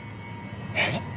えっ？